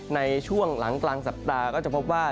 ในช่วงหลังกลางสัปดาห์ก็จะพบว่า